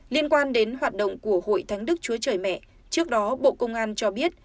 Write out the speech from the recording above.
liên quan đến hoạt động của hội thánh đức chúa trời mẹ trước đó bộ công an cho biết